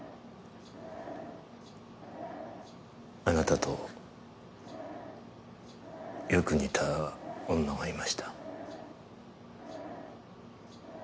あなたとよく似た女がいました。